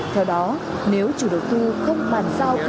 theo đó nếu chủ đầu tư không bàn giao